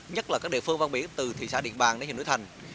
nhất là các địa phương vang biển từ thị xã điện bàng đến hiệu núi thành